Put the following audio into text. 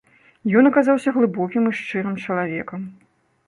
Ён аказаўся глыбокім і шчырым чалавекам.